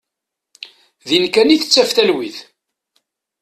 Din kan i tettaf talwit.